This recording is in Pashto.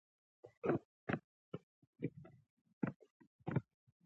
ژوند تر ټولو بهترينه سرمايه وای